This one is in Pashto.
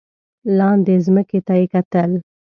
لاندې ځمکې ته یې کتل.